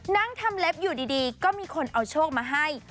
นั่งทำเล็บอยู่ดีก็มีคนเอาโชคมาให้